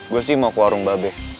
gue sih mau ke warung babe